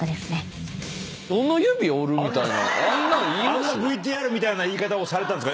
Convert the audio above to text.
あんなＶＴＲみたいな言い方をされたんですか？